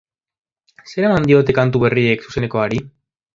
Zer eman diote kantu berriek zuzenekoari?